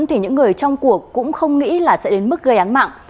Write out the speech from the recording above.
thì những người trong cuộc cũng không nghĩ là sẽ đến mức gây án mạng